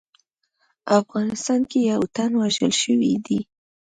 افغانستان کې یو تن وژل شوی دی